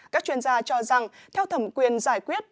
các chuyên gia cho rằng theo thẩm quyền giải quyết